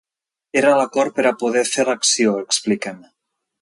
Era l’acord per a poder fer l’acció, expliquen.